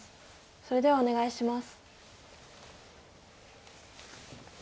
それではお願いします。